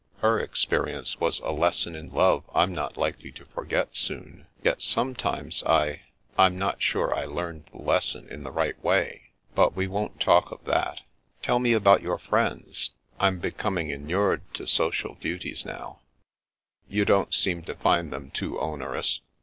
Her experience was a lesson in love I'm not likely to forget soon. Yet sometimes I — ^I'm not sure I learned the lesson in the right way. But we won't talk of that. Tdl The Little Rift within the Lute 231 me about your friends. I'm becoming inured to social duties now." " You don't seem to find them too onerous.